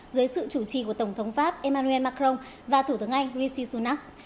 dưới sự chủ trì của tổng thống pháp emmanuel macron và thủ tướng anh rishi sunak